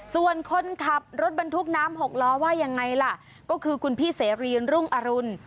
ส่วนคนขับรถบรรทุกน้ำ๖ล้อว่ายังไงล่ะก็คือคุณพี่เสรีรุ่งอรุณ